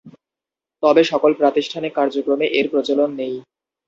তবে সকল প্রাতিষ্ঠানিক কার্যক্রমে এর প্রচলন নেই।